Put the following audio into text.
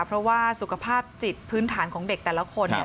เพราะว่าสุขภาพจิตพื้นฐานของเด็กแต่ละคนเนี่ย